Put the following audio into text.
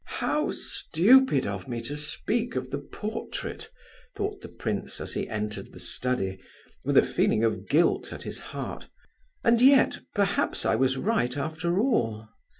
"How stupid of me to speak of the portrait," thought the prince as he entered the study, with a feeling of guilt at his heart, "and yet, perhaps I was right after all."